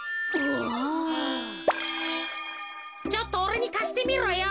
ちょっとおれにかしてみろよ。